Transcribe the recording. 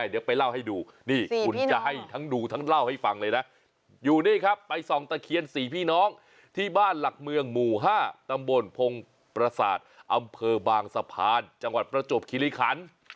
อยู่นี่ครับไปส่องตะเคียนสี่พี่น้องที่บ้านหลักเมืองหมู่๕ตำบลพงศ์ประสาทอำเภอบางสะพานจังหวัดประจวบคิริขัน